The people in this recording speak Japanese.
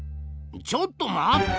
ちょっと待った！